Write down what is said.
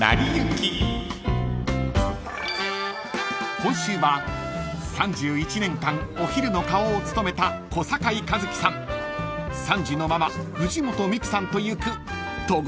［今週は３１年間お昼の顔を務めた小堺一機さん３児のママ藤本美貴さんと行く戸越銀座の旅］